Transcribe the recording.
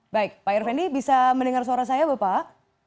baik pak irvendi bisa mendengar suara saya bapak